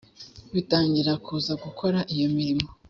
bitangira kuza gukora iyo mirimo